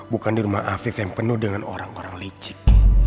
bukan di rumah afif yang penuh dengan orang orang licik